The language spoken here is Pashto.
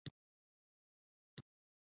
زرافه تر ټولو اوږده غاړه لري